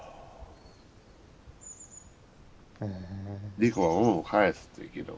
猫は恩を返すっていうけど。